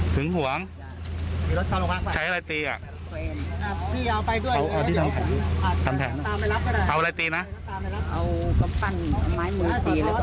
ถึงหวังใช้อะไรตีอ่ะเอาอะไรตีนะ